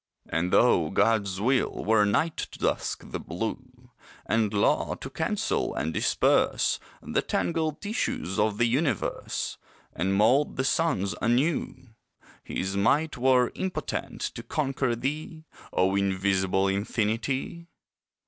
And though God's will were night to dusk the blue, And law to cancel and disperse The tangled tissues of the universe, And mould the suns anew, His might were impotent to conquer thee, O invisible infinity!